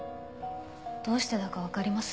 どうしてだかわかります？